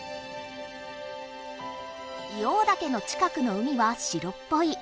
硫黄岳の近くの海は白っぽい。